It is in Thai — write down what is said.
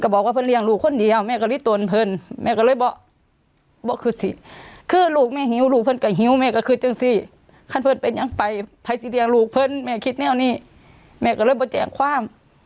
อาจารย์เน่า